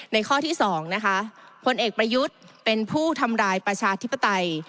ข้อที่๒นะคะพลเอกประยุทธ์เป็นผู้ทำรายประชาธิปไตย